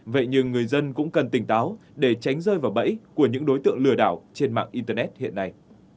vậy nhưng người dân cũng cần tỉnh táo để tránh rơi vào bẫy của những đối tượng lừa đảo trên mạng internet hiện nay